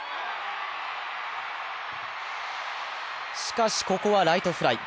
しかし、ここはライトフライ。